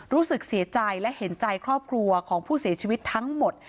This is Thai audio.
รู้สึกเสียใจและเห็นใจครอบครัวของผู้เสียชีวิตทั้งหมด